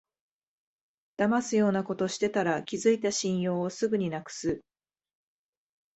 だますようなことしてたら、築いた信用をすぐになくす